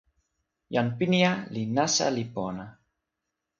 jan Pinija li nasa li pona.